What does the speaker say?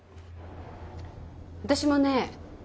私もね